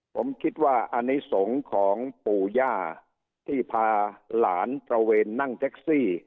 ผมคิดว่าอนิสงฆ์ของปู่ย่าที่พาหลานตระเวนนั่งแท็กซี่